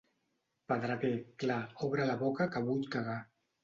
Pedreguer, clar, obre la boca, que vull cagar.